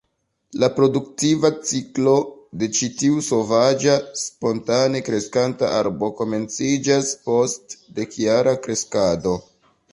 La produktiva ciklo de ĉi tiu sovaĝa spontane kreskanta arbo komenciĝas post dekjara kreskado.